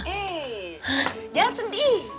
eh jangan sedih